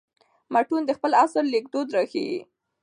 متون د خپل عصر لیکدود راښيي.